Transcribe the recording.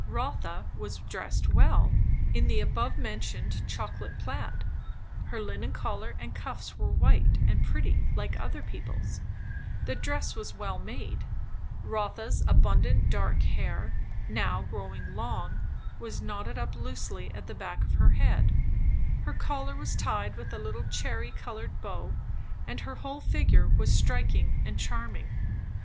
Rotha was dressed well, in the abovementioned chocolate plaid; her linen collar and cuffs were white and pretty like other people's; the dress was well made; Rotha's abundant dark hair, now growing long, was knotted up loosely at the back of her head, her collar was tied with a little cherry coloured bow; and her whole figure was striking and charming.